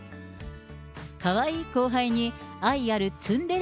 かわいい後輩に愛あるツンデレ